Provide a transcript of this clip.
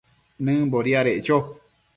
nëmbo diadeccho